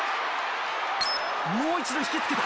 もう一度引き付けた！